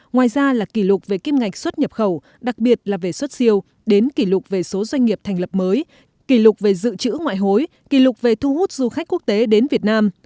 ngoài ra là kỷ lục về kim ngạch xuất nhập khẩu đặc biệt là về xuất siêu đến kỷ lục về số doanh nghiệp thành lập mới kỷ lục về dự trữ ngoại hối kỷ lục về thu hút du khách quốc tế đến việt nam